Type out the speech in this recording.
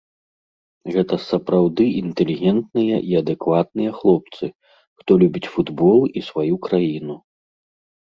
Гэта сапраўды інтэлігентныя і адэкватныя хлопцы, хто любіць футбол і сваю краіну.